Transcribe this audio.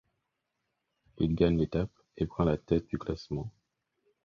Il gagne l'étape et prend la tête du classement.